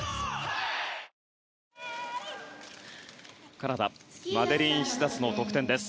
カナダマデリーン・シザスの得点です。